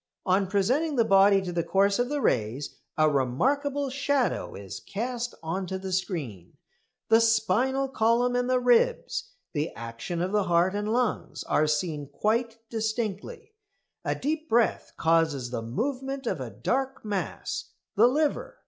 On presenting the body to the course of the rays a remarkable shadow is cast on to the screen. The spinal column and the ribs; the action of the heart and lungs are seen quite distinctly. A deep breath causes the movement of a dark mass the liver.